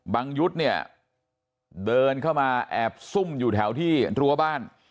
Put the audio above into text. บางยุดเดินเข้ามาแอบซุ่มอยู่แถวที่ธุวบ้าน